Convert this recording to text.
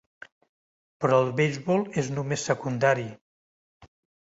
Però el beisbol és només secundari.